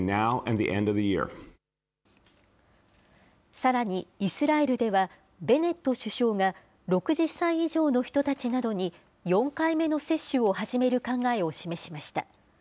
さらにイスラエルでは、ベネット首相が、６０歳以上の人たちなどに４回目の接種を始める考えを示しました。